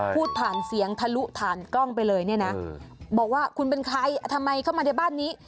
พูดผ่านเสียงทะลุผ่านกล้องไปเลยเนี่ยนะบอกว่าคุณเป็นใครทำไมเข้ามาในบ้านนี้